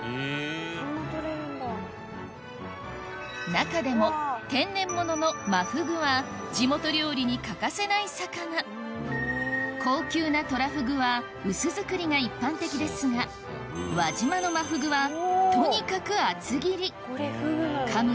中でも天然物のマフグは地元料理に欠かせない魚高級なトラフグは薄造りが一般的ですが輪島のマフグはとにかく厚切りかむ